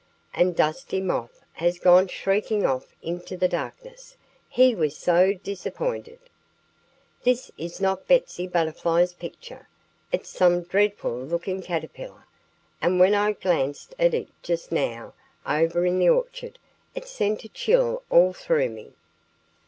And Dusty Moth has gone shrieking off into the darkness, he was so disappointed. This is not Betsy Butterfly's picture! It's some dreadful looking caterpillar. And when I glanced at it just now, over in the orchard, it sent a chill all through me."